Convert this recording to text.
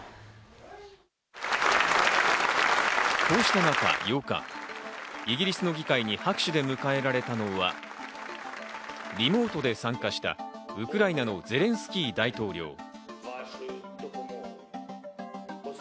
こうした中、８日、イギリスの議会に拍手で迎えられたのはリモートで参加したウクライナのゼレンスキー大統領。